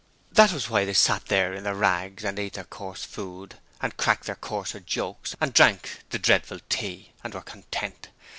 That was why they sat there in their rags and ate their coarse food, and cracked their coarser jokes, and drank the dreadful tea, and were content!